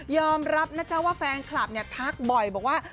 อมรับนะจ๊ะว่าแฟนคลับเนี่ยทักบ่อยบอกว่า